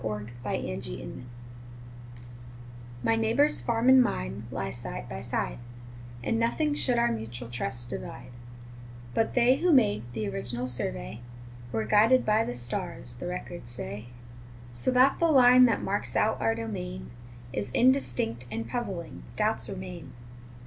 ALASKAN BOUNDARY SETTLEMENT My neighbor's farm and mine lie side by side, And nothing should our mutual trust divide; But they who made th' original survey Were guided by the stars, the records say, So that the line that marks out our domain Is indistinct, and puzzling doubts remain.